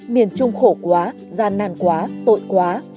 miền trung khổ quá gian nàn quá tội quá